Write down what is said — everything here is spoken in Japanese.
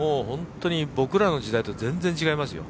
僕らの時代と全然違いますよ。